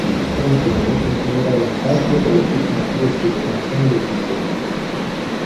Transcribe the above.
Il Frontini intende dare un saggio delle più caratteristiche canzoni dell'isola.